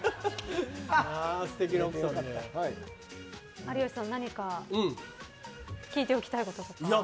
有吉さん、何か聞いておきたいこととか。